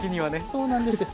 そうなんですよ。